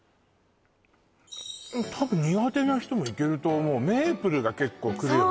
たぶん苦手な人もいけると思うメープルが結構くるよね